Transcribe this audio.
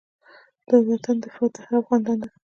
د وطن دفاع د هر افغان دنده ده.